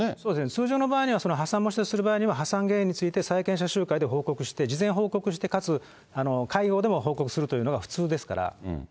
通常の場合には破産申し立てをする場合には、破産原因について債権者集会で報告して、事前報告して、かつ、会合でも報告するというのが普通ですから。